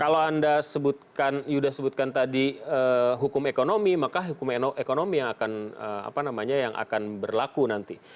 kalau anda sebutkan yuda sebutkan tadi hukum ekonomi maka hukum ekonomi yang akan berlaku nanti